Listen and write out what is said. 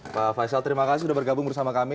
pak faisal terima kasih sudah bergabung bersama kami